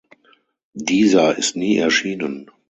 Dieser ist nie erschienen.